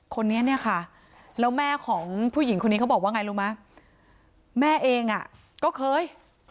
คนนี้เนี่ยค่ะแล้วแม่ของผู้หญิงคนนี้เขาบอกว่าไงรู้ไหมแม่เองอ่ะก็เคย